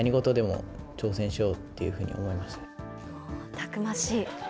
たくましい。